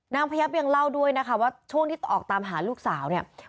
พยับยังเล่าด้วยนะคะว่าช่วงที่ออกตามหาลูกสาวเนี่ย